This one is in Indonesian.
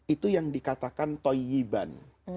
itu yang dikatakan toyiban